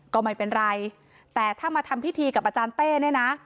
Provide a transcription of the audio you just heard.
ก็ไม่เป็นไรแต่ถ้ามาทำพิธีกับอาจารย์เต้เนี่ยนะ